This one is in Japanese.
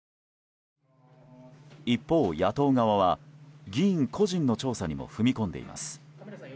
一方、野党側は議員個人の調査にも踏み込んでいます。